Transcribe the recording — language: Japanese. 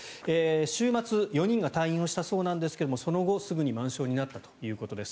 週末４人が退院をしたそうですがその後、すぐに満床になったということです。